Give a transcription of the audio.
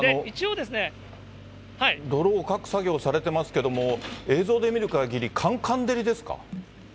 泥をかく作業をされてますけれども、映像で見るかぎりかんかん照りですか？